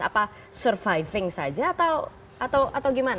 apa surviving saja atau gimana